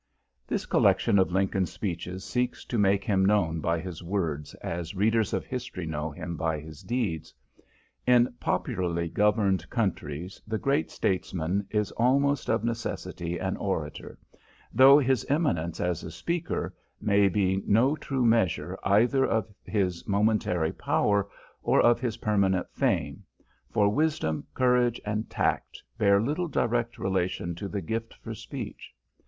This collection of Lincoln's speeches seeks to make him known by his words as readers of history know him by his deeds. In popularly governed countries the great statesman is almost of necessity an orator, though his eminence as a speaker may be no true measure either of his momentary power or of his permanent fame, for wisdom, courage and tact bear little direct relation to the gift for speech.